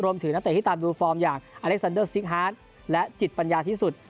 นักเตะที่ตามดูฟอร์มอย่างอเล็กซันเดอร์ซิกฮาร์ดและจิตปัญญาที่สุด